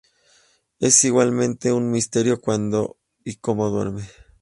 Es igualmente un misterio cuándo y cómo duerme.